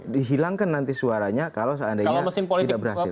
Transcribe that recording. dihilangkan nanti suaranya kalau seandainya tidak berhasil